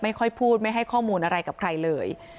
ไม่ค่อยพูดไม่ให้ข้อมูลอะไรกับใครเลย